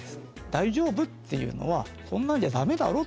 「大丈夫？」っていうのは「こんなんじゃダメだろ」